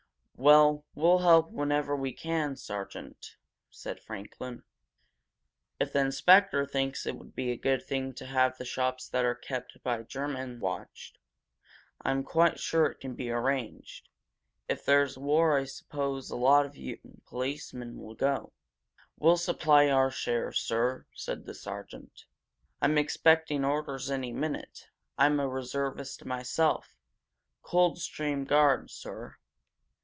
"Well, we'll help whenever we can, sergeant," said Franklin. "If the inspector thinks it would be a good thing to have the shops that are kept by Germans watched, I'm quite sure it can be arranged. If there's war I suppose a lot of you policemen will go?" "We'll supply our share, sir," said the sergeant. "I'm expecting orders any minute I'm a reservist myself. Coldstream Guards, sir."